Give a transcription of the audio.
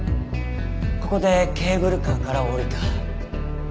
ここでケーブルカーから降りた。